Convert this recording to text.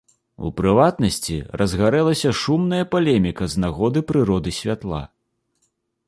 У прыватнасці, разгарэлася шумная палеміка з нагоды прыроды святла.